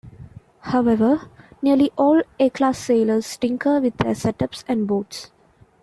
However, nearly all A-Class sailors tinker with their setups and boats.